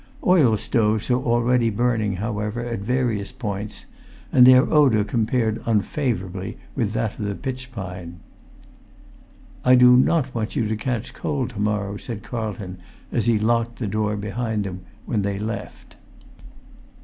Oil stoves were already burning, however, at various points, and their odour compared unfavourably with that of the pitch pine. "I do not want you to catch cold to morrow," said Carlton, as he locked the door behind them when they left.